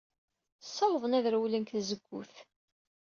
Ssawḍen ad rewlen seg tzewwut.